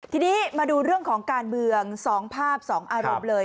ทีนี้มาดูเรื่องของการเมือง๒ภาพ๒อารมณ์เลย